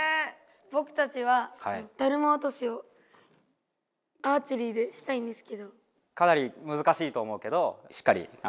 ぼくたちはだるま落としをアーチェリーでしたいんですけど。